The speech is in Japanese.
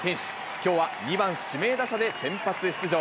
きょうは２番指名打者で先発出場。